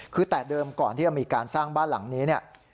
คือแต่เดิมก่อนที่จะมีการสร้างบ้านหลังนี้เนี่ย